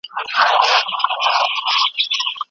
سل ځله په دار سمه، سل ځله سنګسار سمه